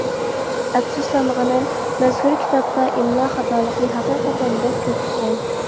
ئەپسۇسلانغىنىم: مەزكۇر كىتابتا ئىملا خاتالىقى ھەقىقەتەن بەك كۆپ ئىكەن.